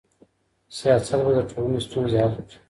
سياست به د ټولني ستونزي حل کړي.